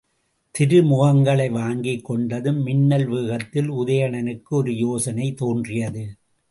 திருமுகங்களை வாங்கிக் கொண்டதும் மின்னல் வேகத்தில் உதயணனுக்கு ஒரு யோசனை தோன்றியது.